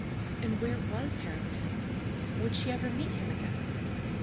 And where was Harrington? Would she ever meet him again?